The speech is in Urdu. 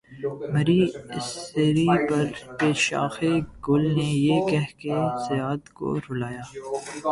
مری اسیری پہ شاخِ گل نے یہ کہہ کے صیاد کو رلایا